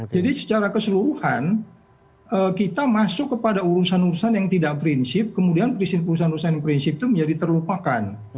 jadi secara keseluruhan kita masuk kepada urusan urusan yang tidak prinsip kemudian urusan urusan prinsip itu menjadi terlupakan